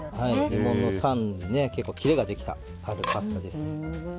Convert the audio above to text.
レモンの酸味でキレができたパスタです。